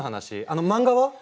あの漫画は？